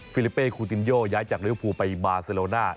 ฟิลิเปคูตินโยย้ายจากลิวภูไปบาเซโลน่า